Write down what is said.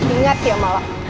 ingat ya mala